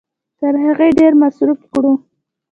تر هغې ډېر مصرف کړو